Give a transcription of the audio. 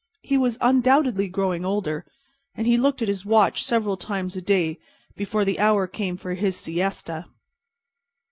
He was undoubtedly growing older; and he looked at his watch several times a day before the hour came for his siesta.